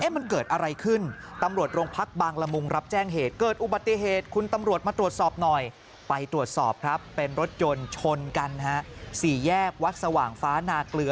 เป็นรถยนต์ชนกันสี่แยกวัดสว่างฟ้านาเกลือ